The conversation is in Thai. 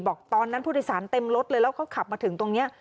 บอกตอนนั้นผู้โดยสารเต็มรถเลยแล้วเขาขับมาถึงตรงนี้